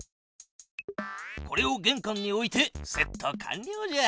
これをげんかんに置いてセット完りょうじゃ。